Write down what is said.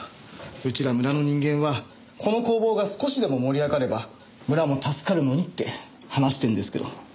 うちら村の人間はこの工房が少しでも盛り上がれば村も助かるのにって話してんですけど。